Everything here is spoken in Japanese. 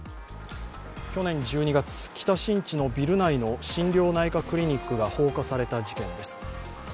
去年１２月、北新地のビル内の心療内科クリニックが放火された事件です。